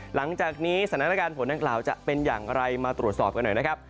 หลังจากนี้สถานการณ์ฝนดังกล่าวจะเป็นอย่างไรมาตรวจสอบกันหน่อยนะครับ